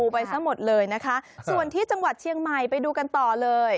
ไปซะหมดเลยนะคะส่วนที่จังหวัดเชียงใหม่ไปดูกันต่อเลย